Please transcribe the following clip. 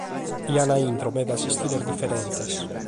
Chi ant intro medas istiles diferentes.